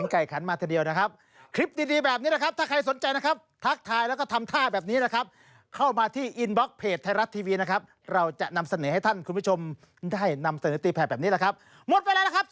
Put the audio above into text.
หมดไปแล้วล่ะครับสีสันข่าวเช้าถนัด